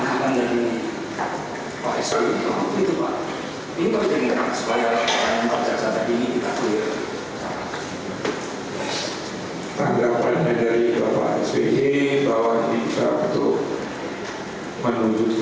jadi proyek ini harus diteruskan